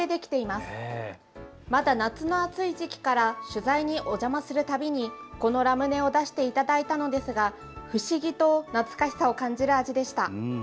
まだ夏の暑い時期から取材にお邪魔するたびにこのラムネを出していただいたのですが不思議と懐かしさを感じる味でした。